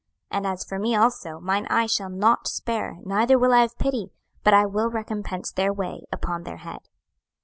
26:009:010 And as for me also, mine eye shall not spare, neither will I have pity, but I will recompense their way upon their head.